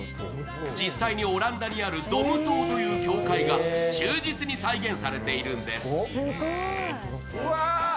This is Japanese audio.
実際にオランダにあるドム塔という教会が忠実に再現されているんです。